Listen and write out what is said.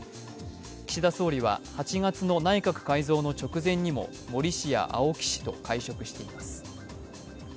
岸田総理は８月の内閣改造の直前にも森氏や青木氏と会食しています。